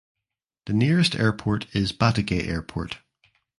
The nearest airport is Batagay Airport.